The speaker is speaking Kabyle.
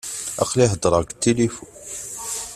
Aql-i heddreɣ deg tilifu.